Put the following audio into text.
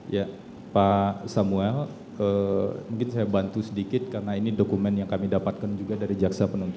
ya pak samuel mungkin saya bantu sedikit karena ini dokumen yang kami dapatkan juga dari jaksa penuntut